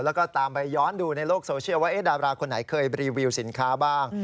แล้วก็ตามไปย้อนดูในโลกโซเชียลว่าดาราคนไหนเคยรีวิวสินค้าบ้าง